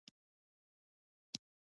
ګیلاس د زړه د تودوخې جام دی.